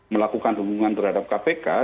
melakukan hubungan terhadap kpk